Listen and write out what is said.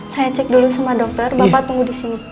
saya cek dulu sama dokter bapak tunggu di sini